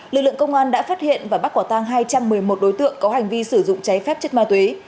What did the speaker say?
lực lượng công an đã phát hiện và bắt quả tang hai trăm một mươi một đối tượng có hành vi sử dụng cháy phép chất ma túy